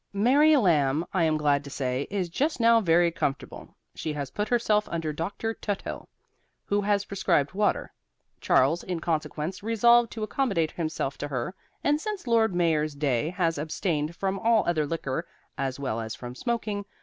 Mary Lamb, I am glad to say, is just now very comfortable. She has put herself under Doctor Tuthill, who has prescribed water. Charles, in consequence, resolved to accommodate himself to her, and since Lord Mayor's day has abstained from all other liquor, as well as from smoking.